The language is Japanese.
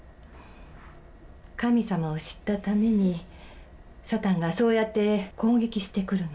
神様を知ったために、サタンがそうやって攻撃してくるの。